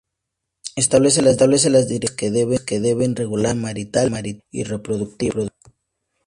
Establece las directrices que deben regular la vida marital y reproductiva.